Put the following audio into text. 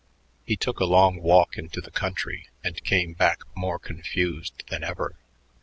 He took a long walk into the country and came back more confused than ever.